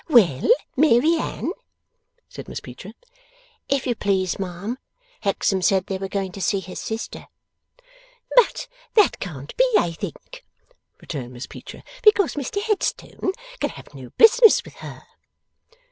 'Well, Mary Anne?' said Miss Peecher. 'If you please, ma'am, Hexam said they were going to see his sister.' 'But that can't be, I think,' returned Miss Peecher: 'because Mr Headstone can have no business with HER.